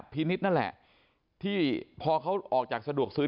นิดนั่นแหละที่พอเขาออกจากสะดวกซื้อ